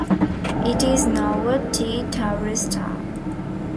It is now a T Tauri star.